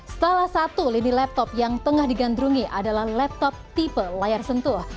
salah satu lini laptop yang tengah digandrungi adalah laptop tipe layar sentuh